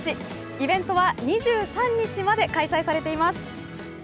イベントは２３日まで開催されています。